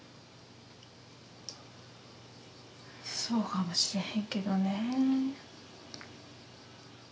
そうかもしれへんけどねえ。